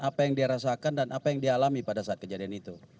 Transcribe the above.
apa yang dia rasakan dan apa yang dia alami pada saat kejadian itu